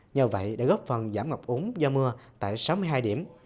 nhờ vậy đã góp phần giảm ngập ống do mưa tại sáu mươi hai điểm